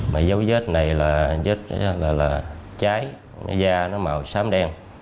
mà dấu vết này là cháy da nó màu xám đen